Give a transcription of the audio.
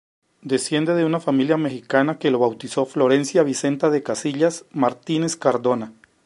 Desciende de una familia mexicana que la bautizó Florencia Vicenta de Casillas Martínez Cardona.